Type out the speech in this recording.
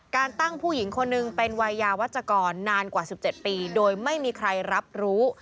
การตั้งผู้หญิงคนหนึ่งเป็นวัยยาวัชกรนานกว่า๑๗ปีโดยไม่มีใครรับรู้